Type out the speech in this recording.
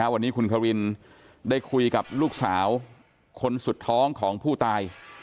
วันนี้คุณควินได้คุยกับลูกสาวคนสุดท้องของผู้ตาย